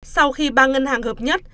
sau khi ba ngân hàng hợp nhất